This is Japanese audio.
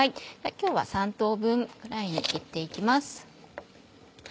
今日は３等分ぐらいに切って行きます。